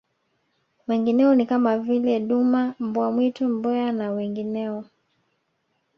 Wengineo ni kama vile duma mbwa mwitu mbweha na wengineo